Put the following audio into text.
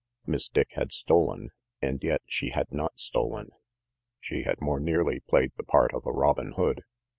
Miss Dick had stolen, and yet she had not stolen. She had more nearly played the 392 RANGY PETE part of a Robin Hood.